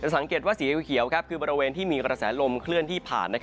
สังเกตว่าสีเขียวคือบริเวณที่มีกระแสลมเคลื่อนที่ผ่าน